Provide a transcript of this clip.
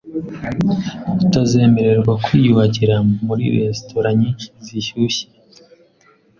utazemererwa kwiyuhagira muri resitora nyinshi zishyushye?